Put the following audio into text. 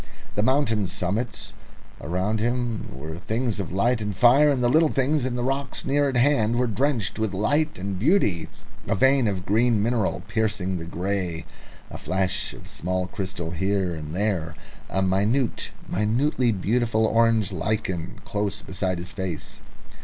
The mountain summits around him were things of light and fire, and the little details of the rocks near at hand were drenched with subtle beauty a vein of green mineral piercing the grey, the flash of crystal faces here and there, a minute, minutely beautiful orange lichen close beside his face.